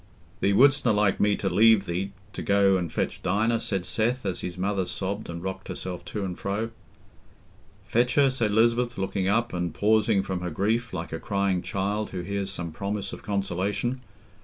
"Thee wouldstna like me to leave thee, to go and fetch Dinah?" said Seth, as his mother sobbed and rocked herself to and fro. "Fetch her?" said Lisbeth, looking up and pausing from her grief, like a crying child who hears some promise of consolation.